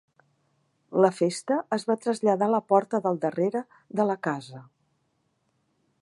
La festa es va traslladar a la porta del darrere de la casa.